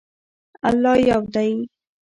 الله یو دی.